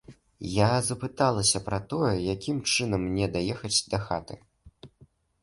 Я запыталася пра тое, якім чынам мне даехаць дахаты?